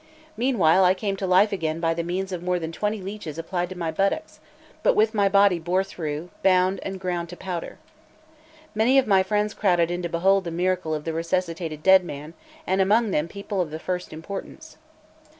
Meanwhile I came to life again by the means of more than twenty leeches applied to my buttocks, but with my body bore through, bound, and ground to powder. Many of my friends crowded in to behold the miracle of the resuscitated dead man, and among them people of the first importance.